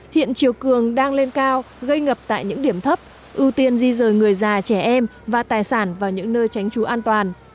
hiện chiều cường đang lên cao gây ngập tại những điểm thấp ưu tiên di rời người già trẻ em và tài sản vào những nơi tránh trú an toàn